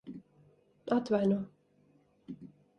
Atvaino.